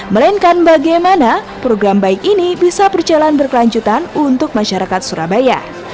melainkan bagaimana program baik ini bisa berjalan berkelanjutan untuk masyarakat surabaya